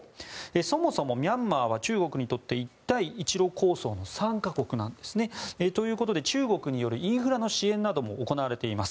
そもそもミャンマーは中国にとって一帯一路構想の参加国なんですね。ということで、中国によるインフラ支援なども行われています。